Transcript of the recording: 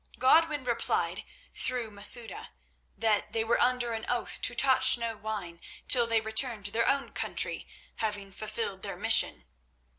Godwin replied through Masouda that they were under an oath to touch no wine till they returned to their own country, having fulfilled their mission.